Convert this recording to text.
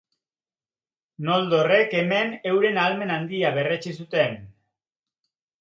Noldorrek hemen euren ahalmen handia berretsi zuten.